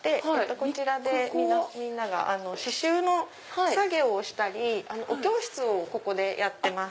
こちらでみんなが刺しゅうの作業をしたりお教室をここでやってます。